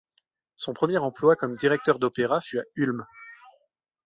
Son premier emploi comme directeur d'opéra fut à Ulm.